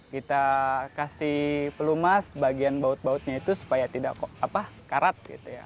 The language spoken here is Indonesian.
kita kasih pelumas bagian baut bautnya itu supaya tidak karat gitu ya